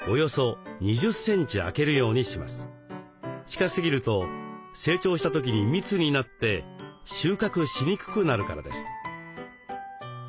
近すぎると成長した時に密になって収穫しにくくなるからです。